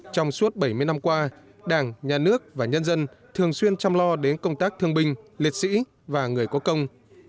trong suốt bảy mươi năm qua đảng nhà nước và nhân dân thường xuyên chăm lo đến công tác thương binh liệt sĩ và người có công